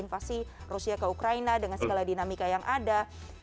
invasi rusia ke ukraina dengan segala dinamika yang ada